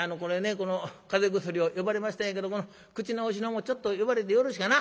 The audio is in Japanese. この風邪薬を呼ばれましたんやけど口直しのもちょっと呼ばれてよろしかな？